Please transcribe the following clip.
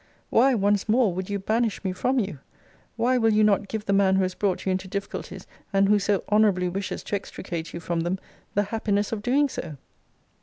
Why, once more, would you banish me from you? Why will you not give the man who has brought you into difficulties, and who so honourably wishes to extricate you from them, the happiness of doing so?